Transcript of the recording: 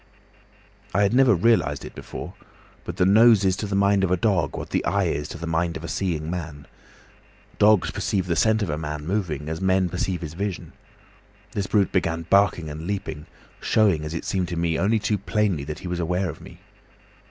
"I had never realised it before, but the nose is to the mind of a dog what the eye is to the mind of a seeing man. Dogs perceive the scent of a man moving as men perceive his vision. This brute began barking and leaping, showing, as it seemed to me, only too plainly that he was aware of me.